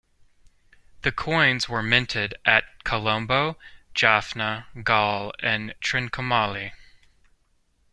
The coins were minted at Colombo, Jaffna, Galle and Trincomalee.